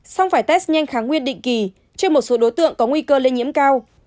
xong phải test nhanh kháng nguyên định kỳ cho một số đối tượng có nguy cơ lây nhiễm cao